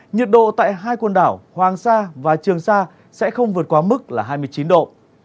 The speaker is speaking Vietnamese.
nhiệt độ tại hai quần đảo hoàng sa và trường sa sẽ không vượt quá mức là hai mươi chín độ